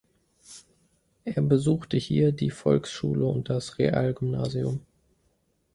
Er besuchte hier die Volksschule und das Realgymnasium.